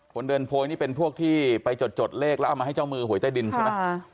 คนเดินโพยนี่เป็นพวกที่ไปจดเลขแล้วเอามาให้เจ้ามือหวยใต้ดินใช่ไหม